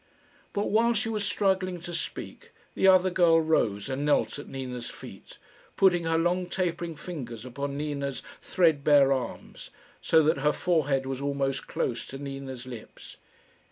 But while she was struggling to speak, the other girl rose and knelt at Nina's feet, putting her long tapering fingers upon Nina's thread bare arms, so that her forehead was almost close to Nina's lips.